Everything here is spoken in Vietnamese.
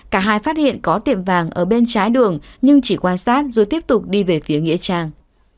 cả hai phát hiện có tiệm vàng ở bên trái đường nhưng chỉ quan sát rồi tiếp tục đi về phía nghĩa trang